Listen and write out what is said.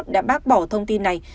đã bác bỏ thông tin này